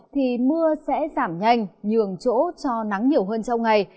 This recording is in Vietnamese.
thì mưa sẽ giảm nhanh nhường chỗ cho nắng nhiều hơn trong ngày